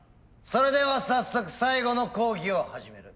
それでは早速最後の講義を始める。